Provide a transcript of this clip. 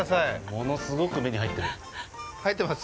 もう、すごく目に入ってる。